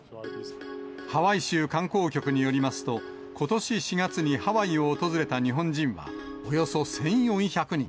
ハワイ州観光局によりますと、ことし４月にハワイを訪れた日本人は、およそ１４００人。